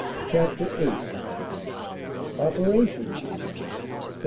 CHAPTER VIII OPERATIONS : SEPT.